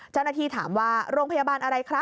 เจ้าหน้าที่ถามว่าโรงพยาบาลอะไรคะ